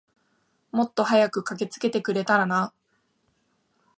もっと早く駆けつけてくれたらな。